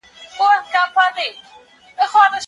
پوهان کولای سي ټولنیزې ستونزې حل کړي.